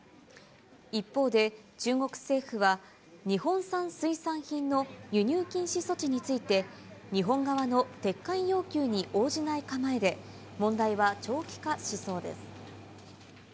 一方で、中国政府は、日本産水産品の輸入禁止措置について、日本側の撤回要求に応じない構えで、問題は長期化しそうです。